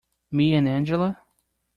Me and Angela?